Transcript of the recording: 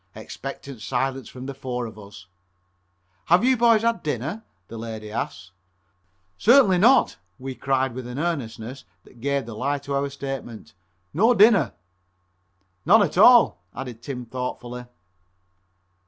Expectant silence from the four of us. "Have you boys had dinner?" the lady asked. "Certainly not," we cried, with an earnestness that gave the lie to our statement, "no dinner!" "None at all," added Tim thoughtfully.